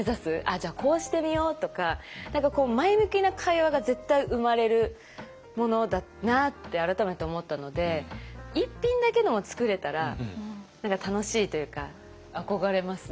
「じゃあこうしてみよう」とか何か前向きな会話が絶対生まれるものだなって改めて思ったので一品だけでも作れたら楽しいというか憧れますね。